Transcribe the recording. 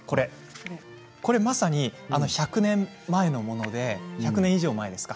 まさに１００年前のもので１００年以上前のものですか。